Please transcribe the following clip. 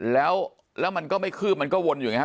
แล้วมันก็ไม่คืบมันก็วนอยู่อย่างนี้ครับ